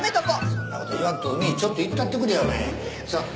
そんなこと言わんと海ちょっと行ったってくれよお前。